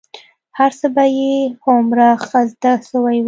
هرڅه به يې څومره ښه زده سوي وو.